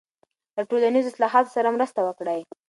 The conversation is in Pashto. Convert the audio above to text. له ټولنیزو اصلاحاتو سره مرسته وکړئ.